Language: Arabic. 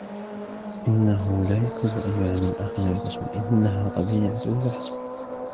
إنه لا يقصد أن يعامل الآخرين بقسوة. إنها طبيعته فحسب.